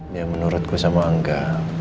dia menurutku sama angga